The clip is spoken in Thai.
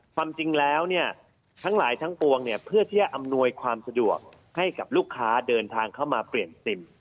ความจริงแล้วเนี่ยทั้งหลายทั้งปวงเนี่ยเพื่อที่จะอำนวยความสะดวกให้กับลูกค้าเดินทางเข้ามาเปลี่ยนซิม